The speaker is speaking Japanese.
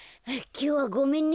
きょうはごめんね。